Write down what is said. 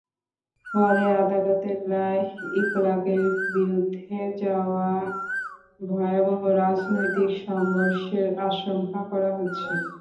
ফলে আদালতের রায় ইংলাকের বিরুদ্ধে যাওয়ায় ভয়াবহ রাজনৈতিক সংঘর্ষের আশঙ্কা করা হচ্ছে।